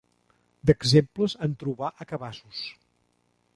D'exemples, en trobà a cabassos.